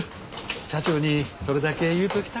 社長にそれだけ言うときたくて。